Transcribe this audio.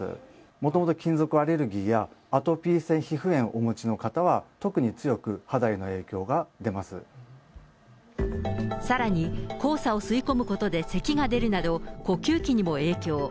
もともと金属アレルギーやアトピー性皮膚炎をお持ちの方は、さらに、黄砂を吸い込むことでせきが出るなど、呼吸器にも影響。